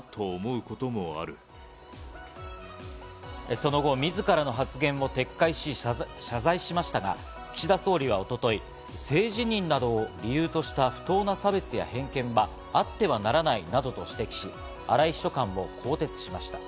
その後、みずからの発言を撤回し、謝罪しましたが、岸田総理は一昨日、性自認などを理由とした不当な差別や偏見はあってはならないなどと指摘し、荒井秘書官を更迭しました。